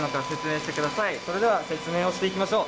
それでは説明をしていきましょう。